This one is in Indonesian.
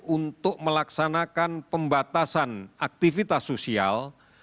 untuk melaksanakan pembatasan aktivitas sosial